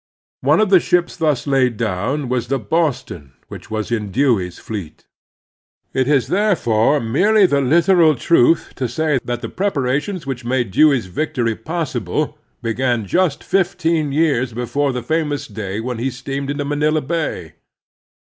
One of the ships thus laid down was the Boston, which was in Dewey's fleet. It is therefore merely the literal truth to say that the preparations which made Dewey's victory possible began just fifteen years before the famous day when he steamed into Manila Bay.